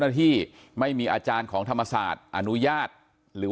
ทางรองศาสตร์อาจารย์ดรอคเตอร์อัตภสิตทานแก้วผู้ชายคนนี้นะครับ